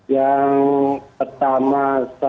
yang pertama saya